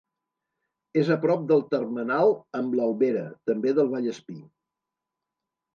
És a prop del termenal amb l'Albera, també del Vallespir.